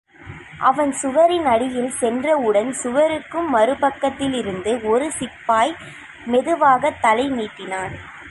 அவன் சுவரின் அடியில் சென்றவுடன் சுவருக்கு மறுபக்கத்திலிருந்து ஒரு சிப்பாய் மெதுவாகத் தலை நீட்டினான்.